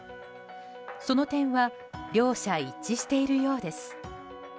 その点は両者一致しているようです。